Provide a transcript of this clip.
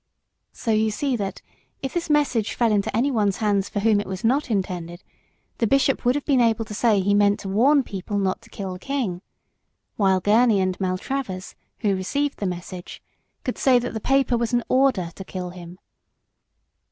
So you see that, if this message fell into anyone's hands for whom it was not intended, the bishop would have been able to say he meant to warn people not to kill the king, while Gurney and Maltravers, who received the message, could say that the paper was an order to kill him.